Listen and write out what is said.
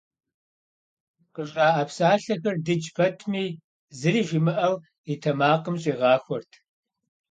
Къыжраӏэ псалъэхэр дыдж пэтми, зыри жимыӏэу, и тэмакъым щӏигъахуэрт.